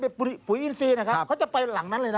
ปุ๋ยอินซีนะครับเขาจะไปหลังนั้นเลยนะ